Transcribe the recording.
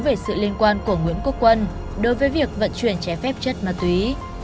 về sự liên quan của nguyễn quốc quân đối với việc vận chuyển trái phép chất ma túy